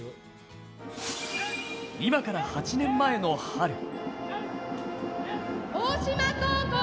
今から８年前の春。